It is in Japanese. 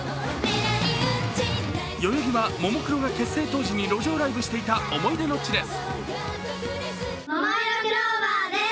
代々木はももクロが結成当時に路上ライブをしていた思い出の地です。